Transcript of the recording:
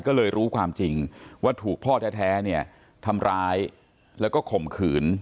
ก็เลยรู้ความจริงว่าถูกพ่อแท้เนี่ยทำร้ายแล้วก็ข่มขืน